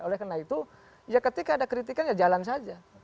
oleh karena itu ya ketika ada kritikan ya jalan saja